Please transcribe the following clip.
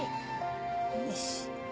よし。